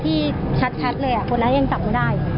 ที่ชัดเลยคนนั้นยังจับไม่ได้